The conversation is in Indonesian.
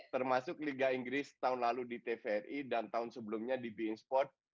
termasuk liga inggris tahun lalu di tvri dan tahun sebelumnya di bin sport